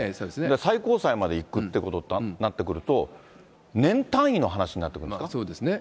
最高裁までいくってことになってくると、年単位の話になってくるそうですね。